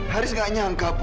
haris tidak menyangka bu